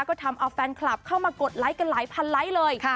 ก็ทำเอาแฟนคลับเข้ามากดไลค์กันหลายพันไลค์เลย